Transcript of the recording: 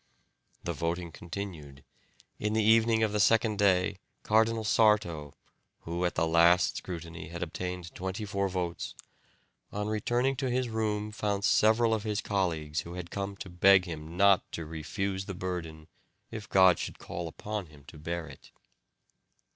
The voting continued. In the evening of the second day Cardinal Sarto, who at the last scrutiny had obtained twenty four votes, on returning to his room found several of his colleagues who had come to beg him not to refuse the burden if God should call upon him to bear it.